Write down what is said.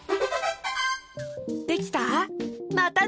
できた？